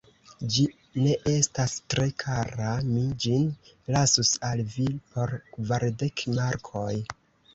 Ĝi ne estas tre kara, mi ĝin lasus al vi por kvardek markoj.